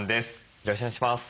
よろしくお願いします。